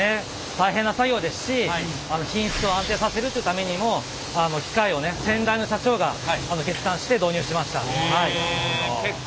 大変な作業ですし品質を安定させるっていうためにも機械をね先代の社長が決断して導入しました。